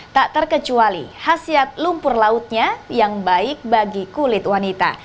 tak terkecuali hasiat lumpur lautnya yang baik bagi kulit wanita